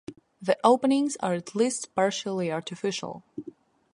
The openings are at least partially artificial.